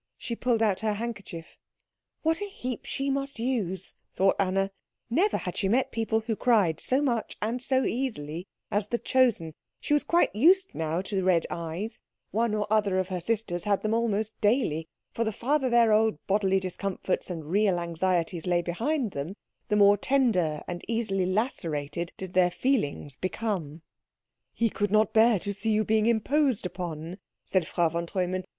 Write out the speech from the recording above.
She pulled out her handkerchief. "What a heap she must use," thought Anna; never had she met people who cried so much and so easily as the Chosen; she was quite used now to red eyes; one or other of her sisters had them almost daily, for the farther their old bodily discomforts and real anxieties lay behind them the more tender and easily lacerated did their feelings become. "He could not bear to see you being imposed upon," said Frau von Treumann.